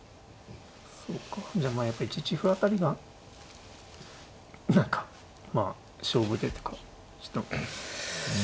そうかじゃあまあやっぱり１一歩辺りが何かまあ勝負手っていうか。